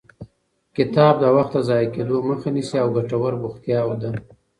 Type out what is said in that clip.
کتاب د وخت د ضایع کېدو مخه نیسي او ګټور بوختیا ده.